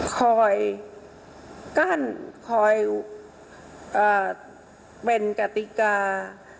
คอยกั้นคอยเป็นกติกา